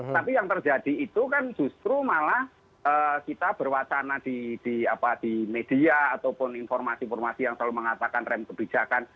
tapi yang terjadi itu kan justru malah kita berwacana di media ataupun informasi informasi yang selalu mengatakan rem kebijakan